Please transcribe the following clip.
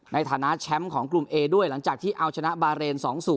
ในฐานะแชมป์ของกลุ่มเอด้วยหลังจากที่เอาชนะบาเรน๒๐